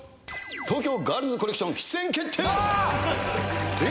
東京ガールズコレクション出演決定。